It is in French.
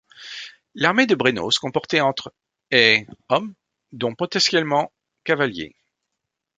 L'armée de Brennos comportait entre et hommes, dont potentiellement cavaliers.